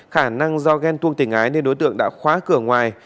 khả năng do ghen tuông tình ái nên đối tượng đã khóa cửa ngoài